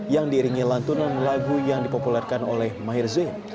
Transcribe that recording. yang diringi lantunan lagu yang dipopulerkan oleh mahir zain